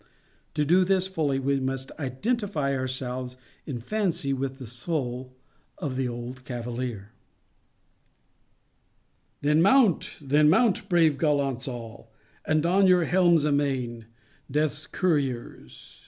To do this fully we must identify ourselves in fancy with the soul of the old cavalier:— Then mounte! then mounte, brave gallants all, And don your helmes amaine: Deathe's couriers.